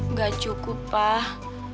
nggak cukup pak